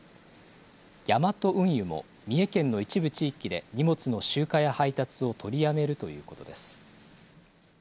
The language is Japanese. ヤマト運輸も、三重県の一部地域で荷物の集荷や配達を取りやめるということです。